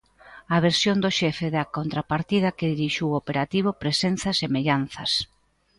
A versión do xefe da contrapartida que dirixiu o operativo presenta semellanzas.